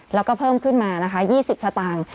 แล้วก็เพิ่มขึ้นมานะคะ๒๐สตางค์